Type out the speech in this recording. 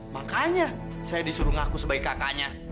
makanya saya disuruh ngaku sebagai kakaknya